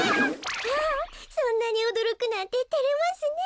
そんなにおどろくなんててれますね。